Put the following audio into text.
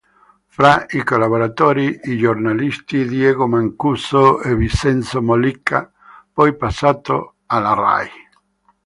Fra i collaboratori i giornalisti Diego Mancuso e Vincenzo Mollica, poi passato alla Rai.